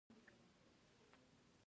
راپور ورکول او راپور اخیستل هم خصوصیات دي.